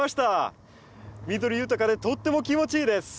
緑豊かでとっても気持ちいいです！